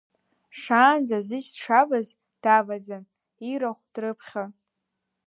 Шаанӡа аӡыжь дшаваз даваӡан, ирахә дрыԥхьо…